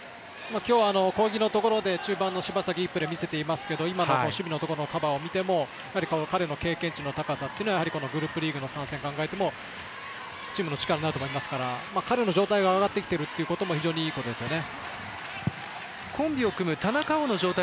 今日は攻撃のところで中盤の柴崎がいいプレー見せてますけど今の守備のところのカバーを見ても彼の経験値の高さというのはこのグループリーグの３戦考えてもチームの力になると思いますから、彼の状態が上がっているのもいいことですね。